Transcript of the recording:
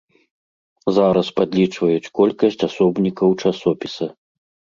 Зараз падлічваюць колькасць асобнікаў часопіса.